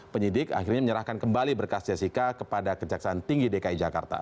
penyidik akhirnya menyerahkan kembali berkas jessica kepada kejaksaan tinggi dki jakarta